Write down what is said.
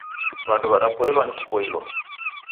Wandu wadapoilwa ni kuboilwa.